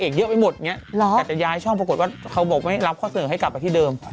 อย่างนางเอกเยอะไปหมดอย่างนี้แปลกจะย้ายช่องปรอกฏว่าเขาบอกไม่รับข้อเสริมให้กลับไปที่เดิม